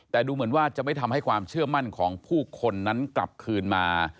แต่ดูเหมือนว่าจะไม่ทำให้ความเชื่อมั่นของผู้คนนั้นกลับคืนมา